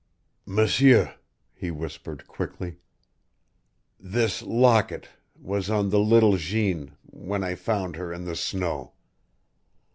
"M'sieur," he whispered, quickly, "this locket was on the little Jeanne when I found her in the snow.